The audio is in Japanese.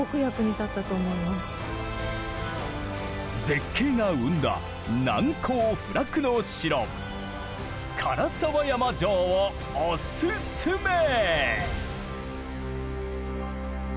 絶景が生んだ難攻不落の城唐沢山城をオススメ！